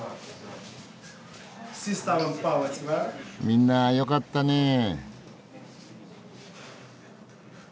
みんなよかったねえ。